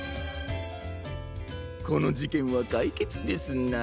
このじけんはかいけつですな。